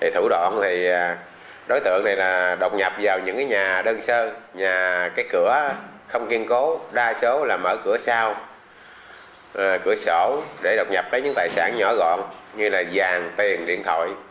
thủ đoạn thì đối tượng này là đột nhập vào những nhà đơn sơ nhà cái cửa không kiên cố đa số là mở cửa sau cửa sổ để đột nhập lấy những tài sản nhỏ gọn như là vàng tiền điện thoại